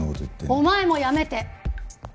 「お前」もやめて！